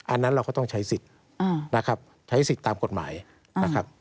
อันนั้นเราก็ต้องใช้สิทธิ์นะครับใช้สิทธิ์ตามกฎหมายนะครับ